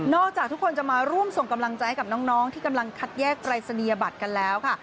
จากทุกคนจะมาร่วมส่งกำลังใจกับน้องที่กำลังคัดแยกปรายศนียบัตรกันแล้วค่ะ